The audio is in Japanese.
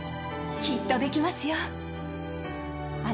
きっとできますよ。